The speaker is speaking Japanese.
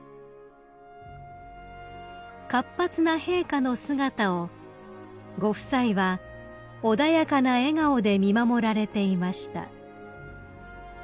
［活発な陛下の姿をご夫妻は穏やかな笑顔で見守られていました］